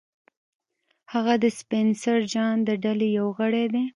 هغه د سپنسر جان د ډلې یو غړی دی